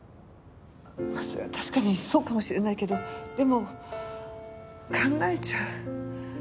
まあそれは確かにそうかもしれないけどでも考えちゃう。